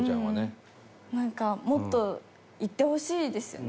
なんかもっと行ってほしいですよね。